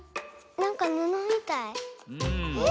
なんかぬのみたい。